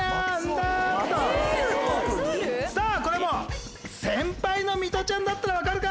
さぁこれも先輩のミトちゃんだったら分かるか？